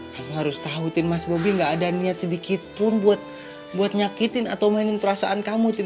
kamu harus tahu tin mas bobby gak ada niat sedikit pun buat nyakitin atau mainin perasaan kamu tin